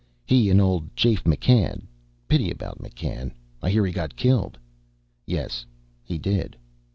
He and old Jafe McCann pity about McCann. I hear he got killed." "Yes, he did."